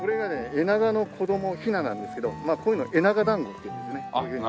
エナガの子供ヒナなんですけどこういうの「エナガ団子」っていうんですね。